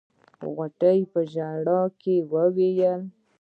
غوټۍ په ژړا کې وويل.